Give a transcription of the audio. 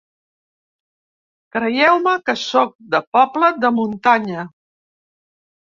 Creieu-me, que sóc de poble de muntanya.